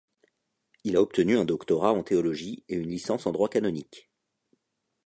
Il a obtenu un doctorat en théologie et une licence en droit canonique.